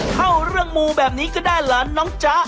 เข้าเรื่องมูแบบนี้ก็ได้หลานน้องจ๊ะ